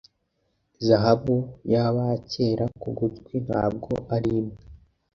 Zahabu yabakera kugutwi ntabwo arimwe